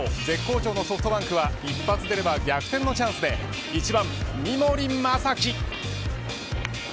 絶好調のソフトバンクは一発出れば逆転のチャンスで１番、三森大貴。